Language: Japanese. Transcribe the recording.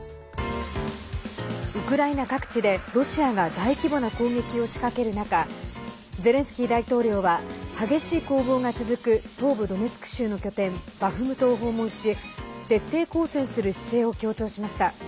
ウクライナ各地でロシアが大規模な攻撃を仕掛ける中ゼレンスキー大統領は激しい攻防が続く東部ドネツク州の拠点バフムトを訪問し徹底抗戦する姿勢を強調しました。